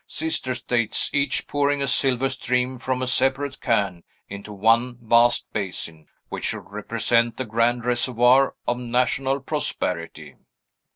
sister States, each pouring a silver stream from a separate can into one vast basin, which should represent the grand reservoir of national prosperity."